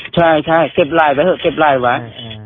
ใช่เก็บไลน์ไปเถอะเก็บไลน์ไว้